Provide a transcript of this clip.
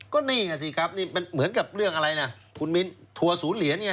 ก็นี่ไงสิครับนี่มันเหมือนกับเรื่องอะไรนะคุณมิ้นทัวร์ศูนย์เหรียญไง